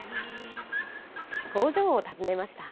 工場を訪ねました。